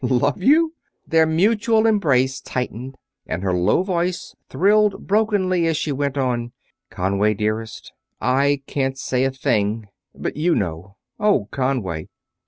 Love you!" Their mutual embrace tightened and her low voice thrilled brokenly as she went on: "Conway dearest ... I can't say a thing, but you know.... Oh, Conway!"